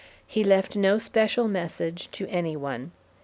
He left no special message to any one.